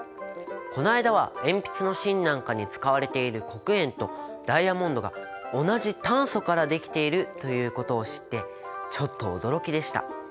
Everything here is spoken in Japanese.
この間は鉛筆の芯なんかに使われている黒鉛とダイヤモンドが同じ炭素から出来ているということを知ってちょっと驚きでした。